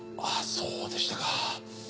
あっそうでしたか。